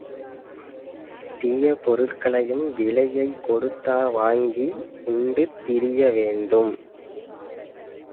இத் தீய பொருளையும் விலையைத் கொடுத்தா வாங்கி உண்டு திரியவேண்டும்?